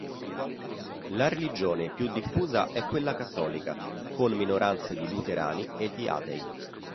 La religione più diffusa è quella cattolica, con minoranze di luterani e di atei.